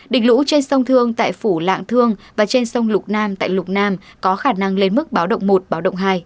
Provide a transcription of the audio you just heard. đỉnh lũ trên sông thương tại phủ lạng thương và trên sông lục nam tại lục nam có khả năng lên mức báo động một báo động hai